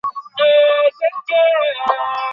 একই গন্ধ আমি এডওয়ার্ডস দের ওখানে পেয়েছি।